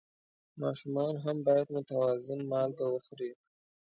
ماشومان هم باید متوازن مالګه وخوري.